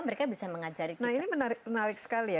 mereka bisa mengajari nah ini menarik sekali ya